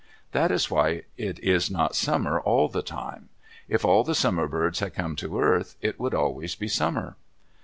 That is why it is not summer all the time. If all the Summer Birds had come to earth, it would always be summer.